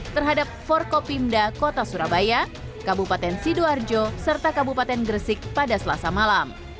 terhadap forkopimda kota surabaya kabupaten sidoarjo serta kabupaten gresik pada selasa malam